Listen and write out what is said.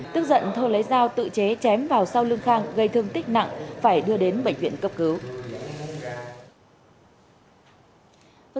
tức giận thơ lấy dao tự chế chém vào sao lương khang gây thương tích nặng phải đưa đến bệnh viện cấp cứu